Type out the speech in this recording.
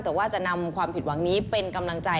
แต่ว่าจะนำความผิดหวังนี้เป็นกำลังใจ